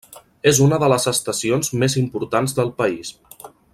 És una de les estacions més importants del país.